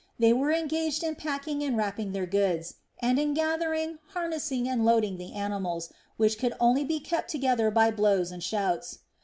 They were engaged in packing and wrapping their goods, and in gathering, harnessing, and loading the animals, which could only be kept together by blows and shouts.